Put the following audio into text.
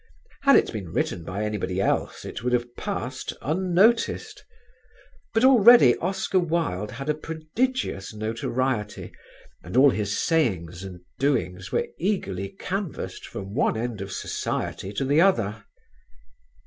Had it been written by anybody else it would have passed unnoticed. But already Oscar Wilde had a prodigious notoriety, and all his sayings and doings were eagerly canvassed from one end of society to the other.